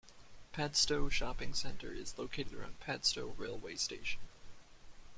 Padstow shopping centre is located around Padstow railway station.